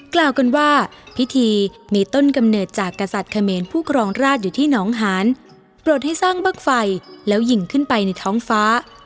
กล่าวกันว่าพิธีมีต้นกำเนิดจากกษัตริย์เขมรผู้ครองราชอยู่ที่หนองหานโปรดให้สร้างบ้างไฟแล้วยิงขึ้นไปในท้องฟ้า